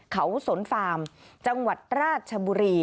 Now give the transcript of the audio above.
เขาสนฟาร์มจังหวัดราชบุรี